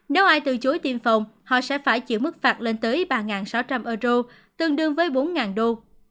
nếu ai từ chối tiêm phòng họ sẽ phải chịu mức phạt lên tới ba sáu trăm linh euro tương đương với bốn đô